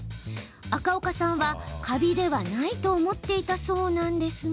赤岡さんは、カビではないと思っていたそうなんですが。